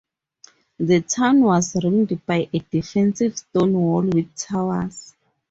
The town was ringed by a defensive stone wall with towers.